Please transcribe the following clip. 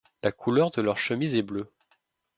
La couleur de leur chemise est bleu.